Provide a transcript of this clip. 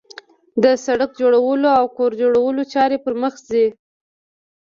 د سړک جوړولو او کور جوړولو چارې پرمخ ځي